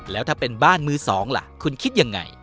แล้วถ้าเป็นบ้านมือสองล่ะคุณคิดยังไง